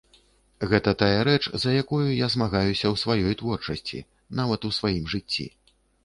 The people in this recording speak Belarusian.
Гэта тая рэч, за якую я змагаюся ў сваёй творчасці, нават у сваім жыцці.